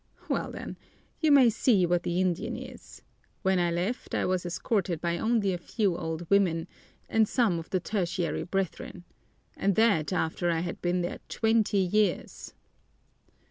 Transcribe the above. Well then, you may see what the Indian is: when I left I was escorted by only a few old women and some of the tertiary brethren and that after I had been there twenty years!"